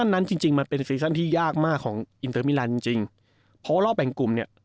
นั้นจริงจริงมันเป็นที่ยากมากของจริงจริงเพราะว่ารอบแบ่งกลุ่มเนี้ย